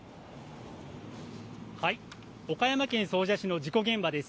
岡山県総社市の事故現場です。